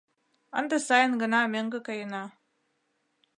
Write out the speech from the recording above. Ынде сайын гына мӧҥгӧ каена.